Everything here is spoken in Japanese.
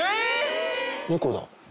猫だ！